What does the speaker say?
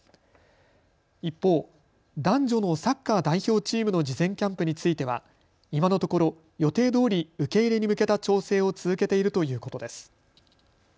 一方、男女のサッカー代表チームの事前キャンプについては今のところ予定どおり受け入れに向けた調整を続けているということです。